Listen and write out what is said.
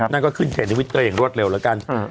นั่นก็ขึ้นเทรดในวิทยาลัยอย่างรวดเร็วแล้วกัน